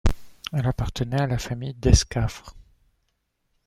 Elle appartenait à la famille d'Escaffre.